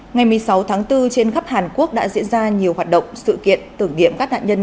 ngày một mươi sáu tháng bốn trên khắp hàn quốc đã diễn ra nhiều hoạt động sự kiện tưởng niệm các nạn nhân